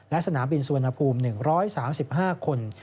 และสนามบินสวนภูมิ๑๓๕คน